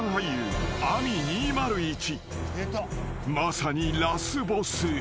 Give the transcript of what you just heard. ［まさにラスボス］